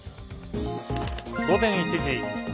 午前１時。